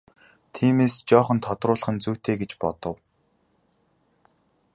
Тиймээс жаахан тодруулах нь зүйтэй гэж бодов.